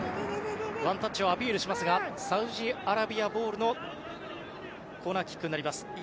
ワンタッチをアピールしますがサウジアラビアボールのコーナーキックになります。